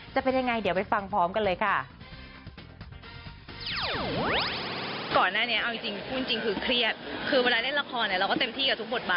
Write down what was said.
จะเป็นยังไงเดี๋ยวไปฟังพร้อมกันเลยค่ะ